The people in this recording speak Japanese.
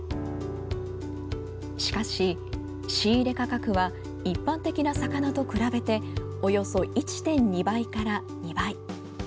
しかし、仕入れ価格は一般的な魚と比べておよそ１．２倍から２倍。